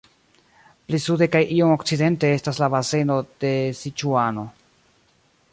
Pli sude kaj iom okcidente estas la baseno de Siĉuano.